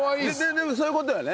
でもそういう事だよね？